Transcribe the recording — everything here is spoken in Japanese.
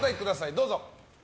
どうぞ。